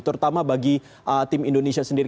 terutama bagi tim indonesia sendiri